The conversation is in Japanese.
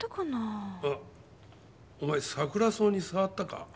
あお前サクラソウに触ったか？